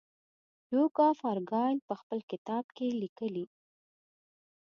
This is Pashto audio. ډوک آف ارګایل په خپل کتاب کې لیکي.